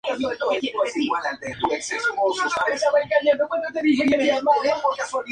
Se fue del Palace en octubre.